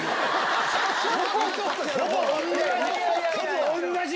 ほぼ同じ！